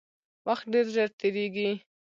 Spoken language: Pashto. وخت ډیر ژر تیریږي